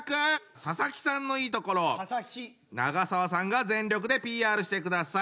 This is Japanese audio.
佐々木さんのいいところを永沢さんが全力でＰＲしてください。